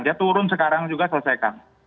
dia turun sekarang juga selesaikan